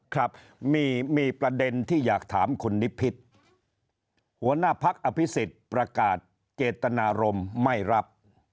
ครับมีประเด็นที่อยากถามคุณนิพิษหัวหน้าพักอภิษฎประกาศเจตนารมณ์ไม่รับ